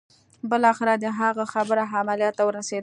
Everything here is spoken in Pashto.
بالاخره د هغه خبره عمليات ته ورسېده.